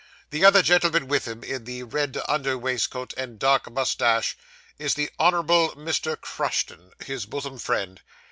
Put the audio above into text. The other gentleman with him, in the red under waistcoat and dark moustache, is the Honourable Mr. Crushton, his bosom friend.